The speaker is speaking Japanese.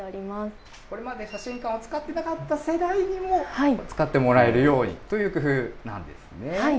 これまで写真館を使ってなかった世代にも使ってもらえるようにという工夫なんですね。